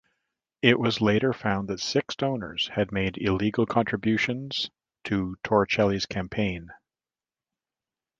It was later found that six donors had made illegal contributions to Torricelli's campaign.